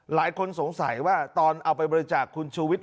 หลายคนสงสัยว่าตอนเอาไปบริจาคคุณชูวิทย